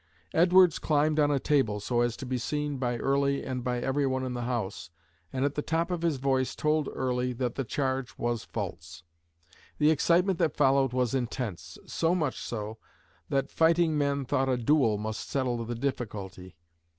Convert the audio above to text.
Edwards climbed on a table, so as to be seen by Early and by everyone in the house, and at the top of his voice told Early that the charge was false. The excitement that followed was intense so much so that fighting men thought a duel must settle the difficulty.